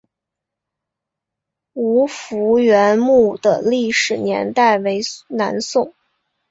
吴福源墓的历史年代为南宋。